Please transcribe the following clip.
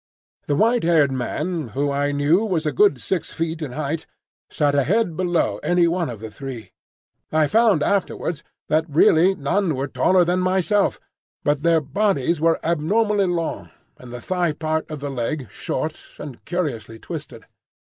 The white haired man, who I knew was a good six feet in height, sat a head below any one of the three. I found afterwards that really none were taller than myself; but their bodies were abnormally long, and the thigh part of the leg short and curiously twisted.